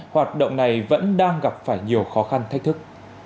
hoạt động này vẫn đang gặp phải nhiều khó khăn thách thức